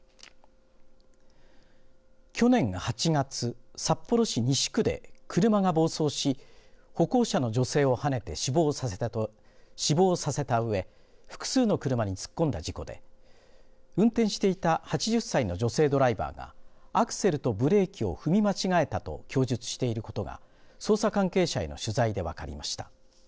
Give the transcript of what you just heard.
去年８月札幌市西区で車が暴走し歩行者の女性をはねて死亡させたうえ複数の車に突っ込んだ事故で運転していた８０歳の女性ドライバーがアクセルとブレーキを踏み間違えたと供述していることが捜査関係者への取材で分かりました。